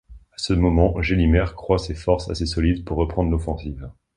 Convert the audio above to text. À ce moment, Gélimer croit ses forces assez solides pour reprendre l’offensive.